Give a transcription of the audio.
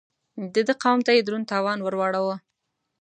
د ده قوم ته يې دروند تاوان ور واړاوه.